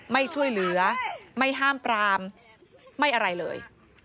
ไม่ช่วยเหลือไม่ห้ามปรามไม่อะไรเลย